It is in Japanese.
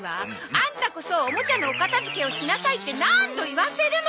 アンタこそオモチャのお片付けをしなさいって何度言わせるの！